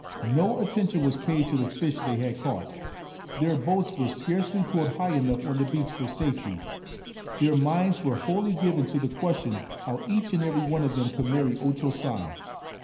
No attention was paid to the fish they had caught ; their boats were scarcely pulled high enough on the beach for safety ; their minds were wholly given to the question how each and every one of them could marry O Cho San.